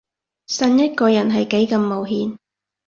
信一個人係幾咁冒險